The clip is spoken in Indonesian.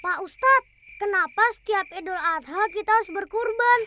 pak ustadz kenapa setiap idul adha kita harus berkurban